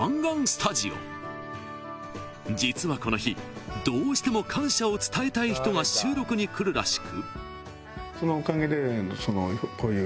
［実はこの日どうしても感謝を伝えたい人が収録に来るらしく］